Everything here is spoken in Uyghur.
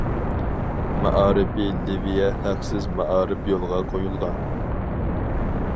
مائارىپى لىۋىيە ھەقسىز مائارىپ يولغا قويۇلغان.